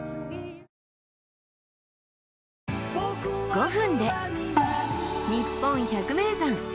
５分で「にっぽん百名山」。